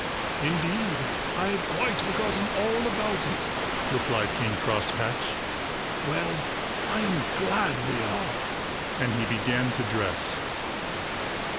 "Indeed, I had quite forgotten all about it," replied King Crosspatch. "Well, I am glad we are," and he began to dress.